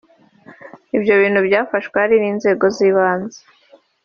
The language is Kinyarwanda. Ibyo bintu byafashwe hari n’inzego z’ibanze